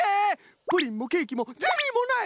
プリンもケーキもゼリーもない！